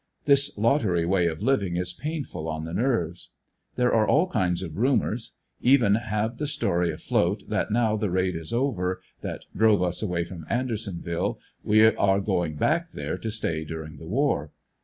This lottery way of living is pamful on the nerves. There are all kinds of rumors. Even have the story afloat that now the raid is over that drove us away from Andersonville, we are going back there to stay during the war.